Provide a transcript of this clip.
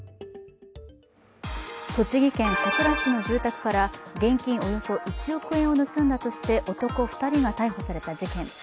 栃木県さくら市の住宅から現金およそ１億円を盗んだとして男２人が逮捕された事件。